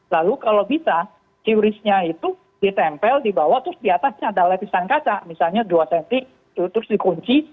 lalu kalau bisa qrisnya itu ditempel di bawah terus diatasnya ada lapisan kaca misalnya dua cm terus dikunci